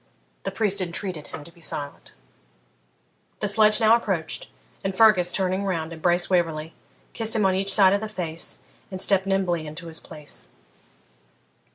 The priest entreated him to be silent. The sledge now approached, and Fergus, turning round, embraced Waverley, kissed him on each side of the face, and stepped nimbly into his place.